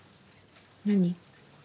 何？